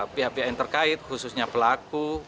pihak pihak yang terkait khususnya pelaku